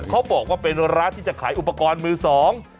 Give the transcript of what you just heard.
เขาบอกว่าเป็นร้านที่จะขายอุปกรณ์มือสอง